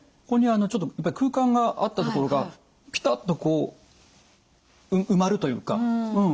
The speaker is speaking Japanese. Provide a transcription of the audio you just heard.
ここにちょっとやっぱ空間があった所がピタッとこう埋まるというか。